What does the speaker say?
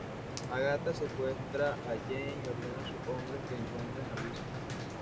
Ágata secuestra a Jaime y ordena a sus hombres que encuentren a Luisa.